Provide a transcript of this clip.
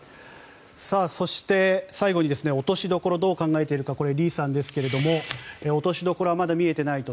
そして最後に落としどころどう考えているかリさんですが落としどころはまだ見えていないと。